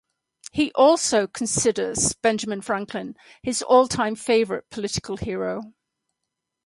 He also considers Benjamin Franklin his all-time favorite political hero.